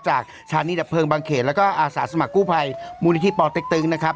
จากสถานีดับเพลิงบางเขตแล้วก็อาสาสมัครกู้ภัยมูลนิธิปอเต็กตึงนะครับ